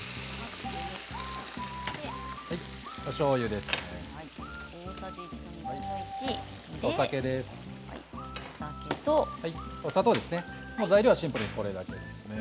おしょうゆですね。